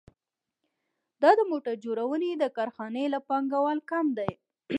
دا د موټر جوړونې د کارخانې له پانګوال کم دی